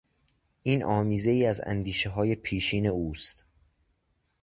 این آمیزهای از اندیشههای پیشین اوست.